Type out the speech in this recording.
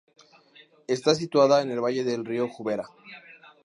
Está situada en el valle del Río Jubera.